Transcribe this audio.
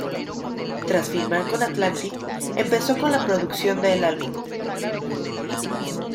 Tras firmar con Atlantic, empezó con la producción del álbum.